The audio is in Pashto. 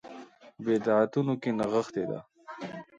بدعتونو کې نغښې ده.